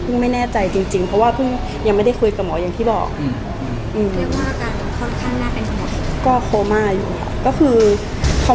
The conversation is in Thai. ก็พึ่งไม่แน่ใจจริงเพราะยังไม่ได้คุยกับหมอยังทิบอก